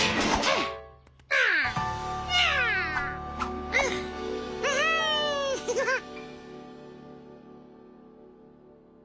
アハッハハッ。